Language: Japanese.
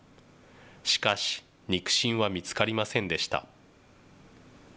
しかし肉親は見つかりませんでした。